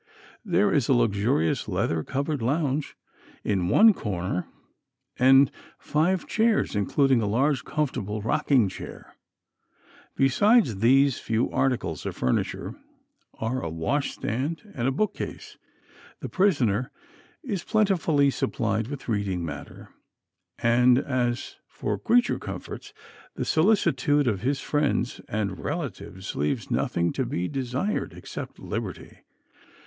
There is a luxurious leather covered lounge in one corner, and five chairs, including a large, comfortable rocking chair. Besides these few articles of furniture are a wash stand and a book case. The prisoner is plentifully supplied with reading matter; and as for creature comforts, the solicitude of his friends and relatives leaves nothing to be desired except liberty.